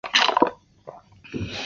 其中列车北行则在纽伦堡始发。